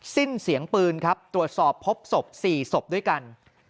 สิ้นเสียงปืนครับตรวจสอบพบศพ๔ศพด้วยกัน